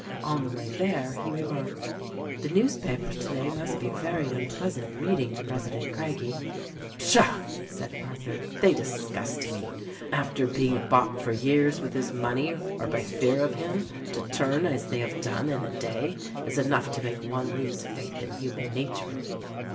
On the way there he remarked, "The newspapers today must be very unpleasant reading to President Craggie." "Psha !" said Arthur, "they disgust me. After being bought for years with his money or by fear of him, to turn as they have done, in a day, is enough to make one lose faith in human nature."